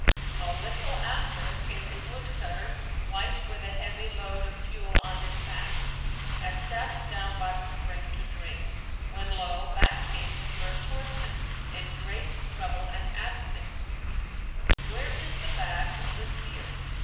A little after came a woodcutter wight with a heavy load of fuel on his back, and sat down by the spring to drink, when lo! back came the first horseman in great trouble and asked him, "Where is the bag which was here?"